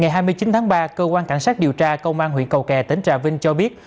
ngày hai mươi chín tháng ba cơ quan cảnh sát điều tra công an huyện cầu kè tỉnh trà vinh cho biết